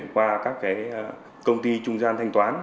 qua các cái công ty trung gian thanh toán